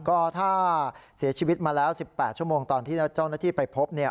ก็ถ้าเสียชีวิตมาแล้ว๑๘ชั่วโมงตอนที่เจ้าหน้าที่ไปพบเนี่ย